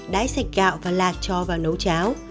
đáy sạch gạo và lạc cho vào nấu cháo